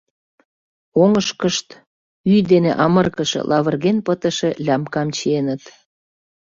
Оҥышкышт ӱй дене амыргыше, лавырген пытыше лямкам чиеныт.